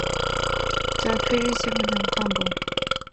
The freight was headed to Cwmavon.